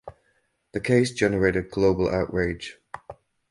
The case generated global outrage.